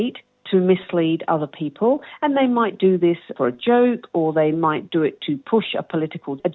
disinformasi adalah informasi yang salah yang diberikan oleh orang